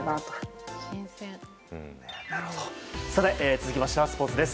続きましてはスポーツです。